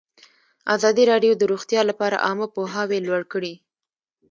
ازادي راډیو د روغتیا لپاره عامه پوهاوي لوړ کړی.